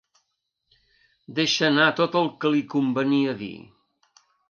Deixa anar tot el que li convenia dir.